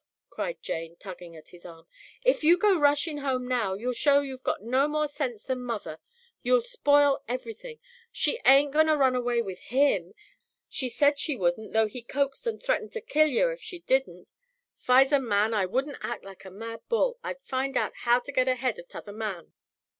cried Jane, tugging at his arm. "If you go rushin' home now, you'll show you've got no more sense than mother. You'll spoil everything. She aint goin' to run away with HIM she said she wouldn't, though he coaxed and threatened to kill yer if she didn't. 'Fi's a man I wouldn't act like a mad bull. I'd find out how to get ahead of t'other man."